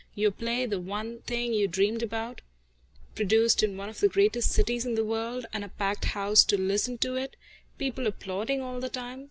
Your play, the one thing you dreamed about, produced in one of the greatest cities in the world, and a packed house to listen to it, people applauding all the time.